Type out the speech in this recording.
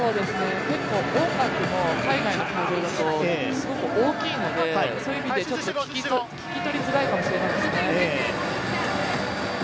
音楽も海外だと結構大きいのでそういう意味だと聞き取りづらいかもしれないですね。